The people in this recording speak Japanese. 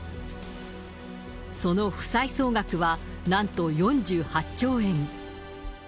その負債総額はなんと４８兆円。